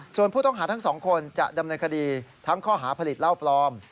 ส่วนผู้ต้องหาทั้งสองคนจะดำเนินคดีทั้งข้อหาผลิตเหล้าปลอม